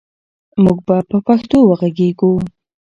موږ به په پښتو وغږېږو.